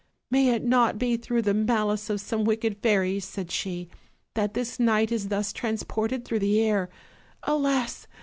"May it not be through the malice of some wicked fairies," said she, ''that this knight is thus trans ported through the air? Alas!